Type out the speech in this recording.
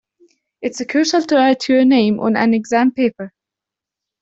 It is crucial to write your name on an exam paper!.